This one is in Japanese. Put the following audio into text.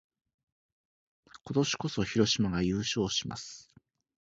今年こそ、広島が優勝します！